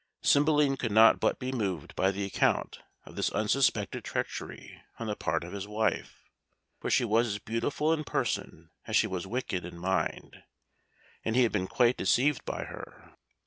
Cymbeline could not but be moved by the account of this unsuspected treachery on the part of his wife, for she was as beautiful in person as she was wicked in mind, and he had been quite deceived by her.